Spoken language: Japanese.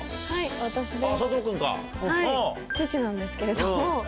はい父なんですけれども。